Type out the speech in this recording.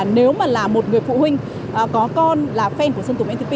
nếu mà là một người phụ huynh có con là fan của sơn tùng mtp